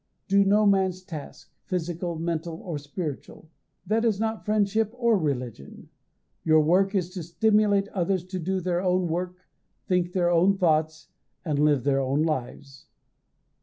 Do no man's task physical, mental, or spiritual. That is not friendship or religion. Your work is to stimulate others to do their own work, think their own thoughts, and live their own lives.